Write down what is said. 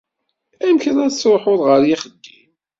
Amek la tettṛuḥuḍ Ɣer yixeddim?